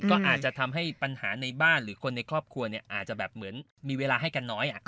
ก็อาจจะทำให้ปัญหาในบ้านหรือคนในครอบครัวอาจจะแบบเหมือนมีเวลาให้กันน้อย